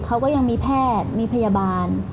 เขาก็ยังมีแพทย์มีพยาบาล